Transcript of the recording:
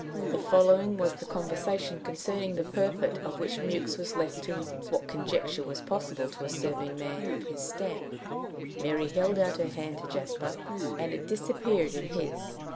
The following was the conversation concerning the purport of which Mewks was left to what conjecture was possible to a serving man of his stamp. Mary held out her hand to Jasper, and it disappeared in his.